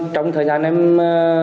trong thời gian em